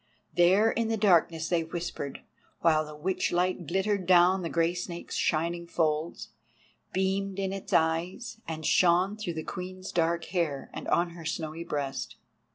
There in the darkness they whispered, while the witch light glittered down the grey snake's shining folds, beamed in its eyes, and shone through the Queen's dark hair and on her snowy breast.